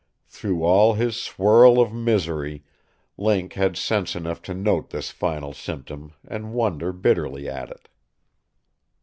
Through all his swirl of misery Link had sense enough to note this final symptom and wonder bitterly at it.